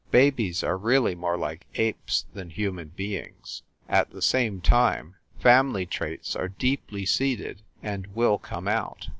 Babies are really more like apes than human beings. At the same time, family traits are deeply seated and will come out.